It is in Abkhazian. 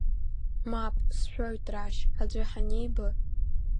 Мап, сшәоит Рашь, аӡәы ҳаниба…